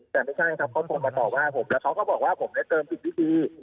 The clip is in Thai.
แต่ไม่ใช่ครับเขาโทรมาต่อว่าผมแล้วเขาก็บอกว่าผมเนี่ยเติมผิดวิธี